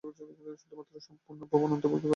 শুধুমাত্র সম্পন্ন ভবন অন্তর্ভুক্ত করা হয়েছে এখানে।